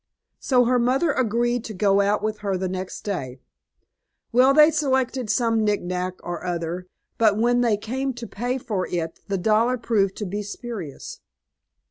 So her mother agreed to go out with her the next day. Well, they selected some nicknack or other, but when they came to pay for it the dollar proved to be spurious."